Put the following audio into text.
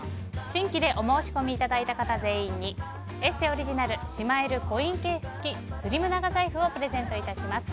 新規でお申し込みいただいた方全員に「ＥＳＳＥ」オリジナルしまえるコインケース付きスリム長財布をプレゼントいたします。